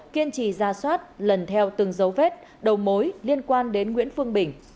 kiên trì ra soát lần theo từng dấu vết đầu mối liên quan đến nguyễn phương bình